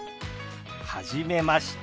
はじめまして。